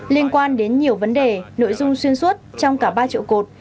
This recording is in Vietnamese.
liên quan đến nhiều vấn đề nội dung xuyên suốt trong cả ba triệu cột